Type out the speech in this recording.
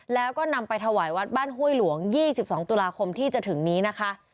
แล้วก็นำไปถวายวัดบ้านห้วยหลวง๒๒ตุลาคมที่จะถึงนี้นะคะ